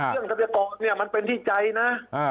เรื่องซัพยากรมันเป็นที่ใจนะ